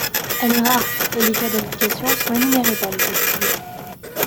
Elle est rare et les cas d’application sont énumérés par le code civil.